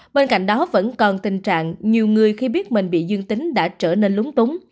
bên cạnh đó vẫn còn tình trạng nhiều người khi biết mình bị dương tính đã trở nên lúng túng